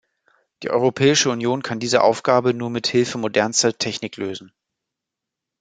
Die europäische Union kann diese Aufgaben nur mit Hilfe modernster Technik lösen.